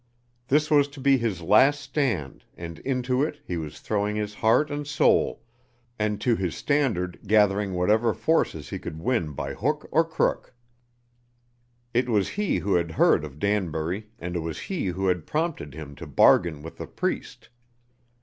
This was to be his last stand and into it he was throwing his heart and soul and to his standard gathering whatever forces he could win by hook or crook. It was he who had heard of Danbury and it was he who had prompted him to bargain with the priest.